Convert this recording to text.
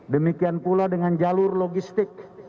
demikian pula dengan jalur logistik